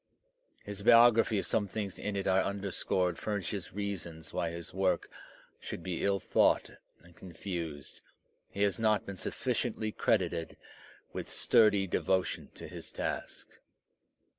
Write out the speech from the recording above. His biography, if some things in it are underscored, furnishes reasons why his work should be ill thought and confused; he has not been sufficiently credited with sturdy devotion to his task.